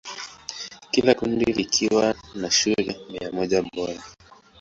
Kila kundi likiwa na shule mia moja bora.